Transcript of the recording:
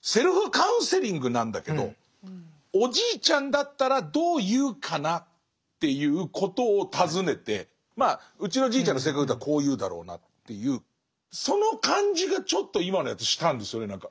セルフカウンセリングなんだけど「おじいちゃんだったらどう言うかな？」っていうことを尋ねてまあうちのじいちゃんの性格だとこう言うだろうなっていうその感じがちょっと今のやつしたんですよね何か。